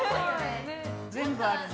全部あるね。